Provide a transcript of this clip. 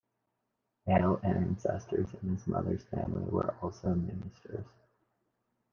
Male ancestors in his mother's family were also ministers.